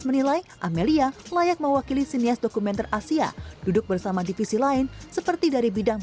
menilai amelia layak mewakili sinias dokumenter asia duduk bersama divisi lain seperti dari bidang